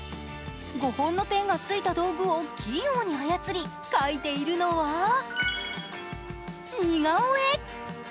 ５本のペンがついた道具を起用に操り描いているは似顔絵。